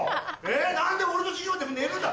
何で俺の授業で寝るんだ！